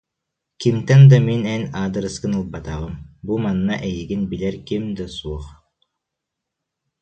Кимтэн да мин эн аадырыскын ылбатаҕым, бу манна эйигин билэр ким да суох